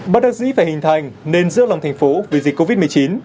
bất đắc dĩ phải hình thành nên giữa lòng thành phố vì dịch covid một mươi chín